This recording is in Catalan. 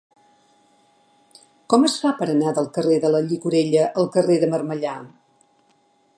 Com es fa per anar del carrer de la Llicorella al carrer de Marmellà?